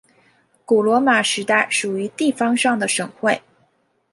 古罗马时代属于地方上的省会。